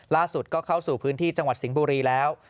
ล่าสุดก็เข้าสู่พื้นที่จังหวัดสิงห์บุรีแล้ว